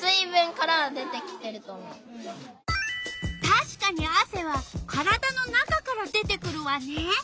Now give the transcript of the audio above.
たしかにあせは体の中から出てくるわね。